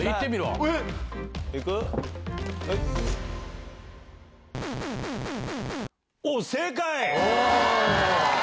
おう、正解！